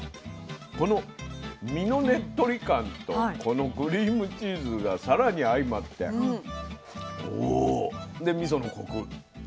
この身のねっとり感とこのクリームチーズがさらに相まってでみそのコク。